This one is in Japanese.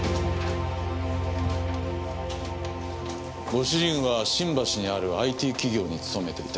ご主人は新橋にあるＩＴ企業に勤めていた。